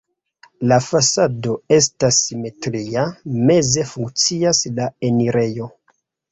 La fasado estas simetria, meze funkcias la enirejo.